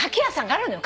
あんのよ。